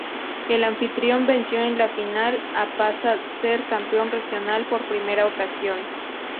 El anfitrión venció en la final a para ser campeón regional por primera ocasión.